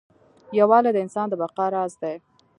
یووالی د انسان د بقا راز دی.